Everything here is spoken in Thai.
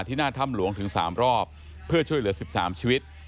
หน้าถ้ำหลวงถึง๓รอบเพื่อช่วยเหลือ๑๓ชีวิต